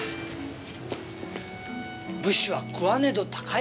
「武士は食わねど高楊枝」。